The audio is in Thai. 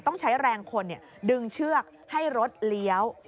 ต้องใช้แรงคนดึงเชือกให้รถเลี้ยว